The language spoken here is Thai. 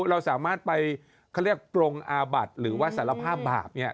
เราสามารถไปเขาเรียกปรงอาบัติหรือว่าสารภาพบาปเนี่ย